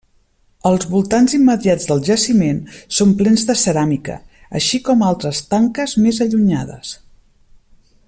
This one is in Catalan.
Els voltants immediats del jaciment són plens de ceràmica, així com altres tanques més allunyades.